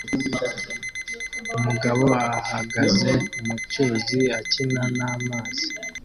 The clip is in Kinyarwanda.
Umugabo ahagaze mu cyuzi akina n'amazi